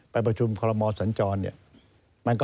ไปประชุมคอลโมสัญจรณ์เนี่ยมันก็